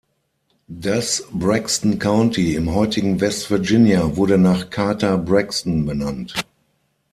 Das Braxton County im heutigen West Virginia wurde nach Carter Braxton benannt.